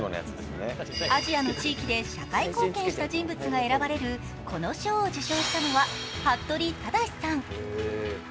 アジアの地域で社会貢献した人物が選ばれるこの賞を受賞したのは服部匡志さん。